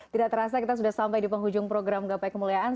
tidak terasa kita sudah sampai di penghujung program gapai kemuliaan